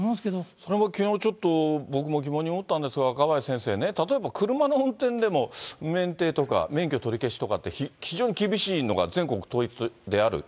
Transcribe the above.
それもきのうちょっと、僕も疑問に思ったんですが、若林先生ね、例えば車の運転でも、免停とか、免許取り消しとかって、非常に厳しいのが全国統一である。